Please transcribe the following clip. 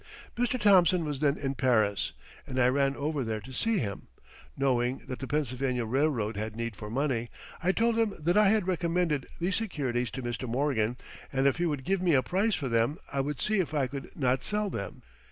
Mr. Thomson was then in Paris and I ran over there to see him. Knowing that the Pennsylvania Railroad had need for money I told him that I had recommended these securities to Mr. Morgan and if he would give me a price for them I would see if I could not sell them.